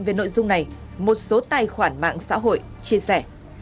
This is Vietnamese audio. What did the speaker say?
về nội dung này một số tài khoản mạng xã hội chia sẻ